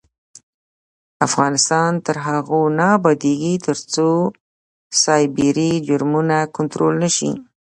افغانستان تر هغو نه ابادیږي، ترڅو سایبري جرمونه کنټرول نشي.